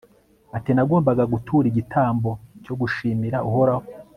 ati nagombaga gutura igitambo cyo gushimira uhoraho